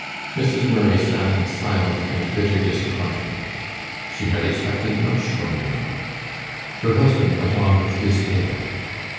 Mrs. Murray sat in silent and bitter disappointment. She had expected much from Ranald. Her husband went on with his tale.